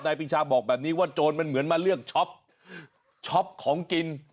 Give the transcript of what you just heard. ปีชาบอกแบบนี้ว่าโจรมันเหมือนมาเลือกช็อปช็อปของกิน